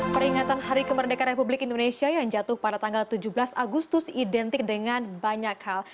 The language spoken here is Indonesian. peringatan hari kemerdekaan republik indonesia yang jatuh pada tanggal tujuh belas agustus identik dengan banyak hal